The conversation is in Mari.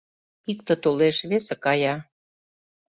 Икте толеш, весе кая